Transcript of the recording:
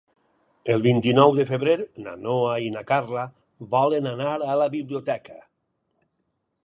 El vint-i-nou de febrer na Noa i na Carla volen anar a la biblioteca.